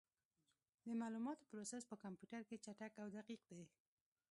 د معلوماتو پروسس په کمپیوټر کې چټک او دقیق دی.